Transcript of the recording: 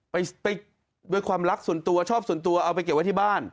ไปด้วยความรักส่วนตัวชอบส่วนตัวเอาไปเก็บไว้ที่บ้าน